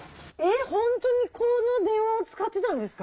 ホントにこの電話を使ってたんですか？